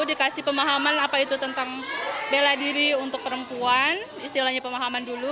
dikasih pemahaman apa itu tentang bela diri untuk perempuan istilahnya pemahaman dulu